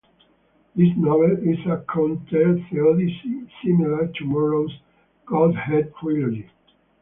This novel is a counter-theodicy similar to Morrow's "Godhead Trilogy".